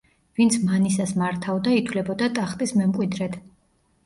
ვინც მანისას მართავდა ითვლებოდა ტახტის მემკვიდრედ.